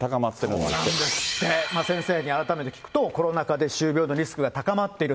そうなんですって、先生に改めて聞くと、コロナ禍で歯周病のリスクが高まっている。